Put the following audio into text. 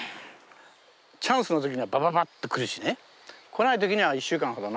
チャンスの時にはバババッと来るしね。来ない時には１週間ほど何にも来ないしね。